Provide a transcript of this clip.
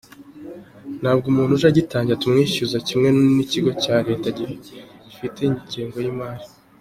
Ntabwo umuntu uje agitangira tumwishyuza kimwe n’ikigo cya leta gifite ingengo y’imari.